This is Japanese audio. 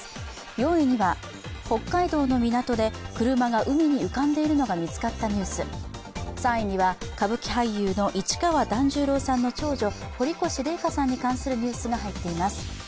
４位には、北海道の港で車が海に浮かんでいるのが見つかったニュース、３位には歌舞伎俳優の市川團十郎さんの長女、堀越麗禾さんに関するニュースが入っています。